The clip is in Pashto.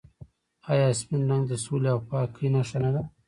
آیا سپین رنګ د سولې او پاکۍ نښه نه ده؟